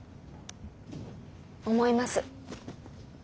思います。